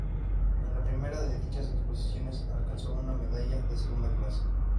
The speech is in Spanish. En la primera de dichas exposiciones alcanzó una medalla de segunda clase.